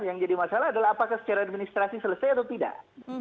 yang jadi masalah adalah apakah secara administrasi selesai atau tidak